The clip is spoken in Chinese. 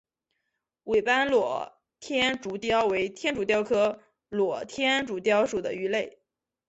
尾斑裸天竺鲷为天竺鲷科裸天竺鲷属的鱼类。